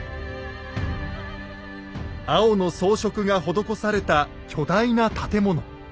青の装飾が施された巨大な建物。